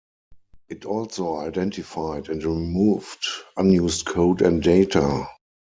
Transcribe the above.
It also identified and removed unused code and data.